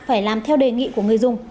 phải làm theo đề nghị của người dùng